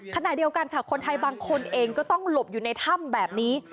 ขณะเดียวกันค่ะคนไทยบางคนเองก็ต้องหลบอยู่ในถ้ำแบบนี้